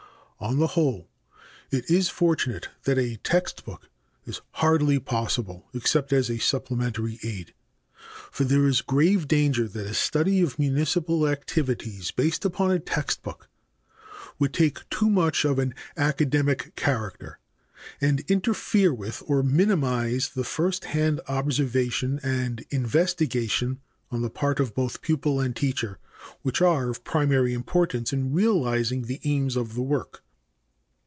On the whole, it is fortunate that a text book is hardly possible except as a supplementary aid, for there is grave danger that a study of municipal activities based upon a text book would take too much of an academic character and interfere with or minimize the first hand observation and investigation on the part of both pupil and teacher, which are of primary importance in realizing the aims of the work.